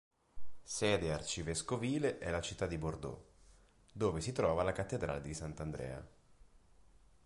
Sede arcivescovile è la città di Bordeaux, dove si trova la cattedrale di Sant'Andrea.